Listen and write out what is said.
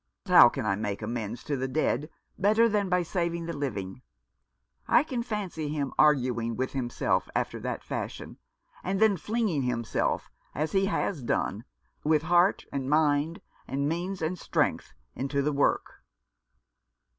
How can I make amends to the dead better than by saving the living ?' I can fancy him arguing with himself after that fashion, and then flinging himself, as he has done, with heart and mind and means and strength into the work."